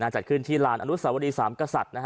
จัดขึ้นที่ลานอนุสาวรีสามกษัตริย์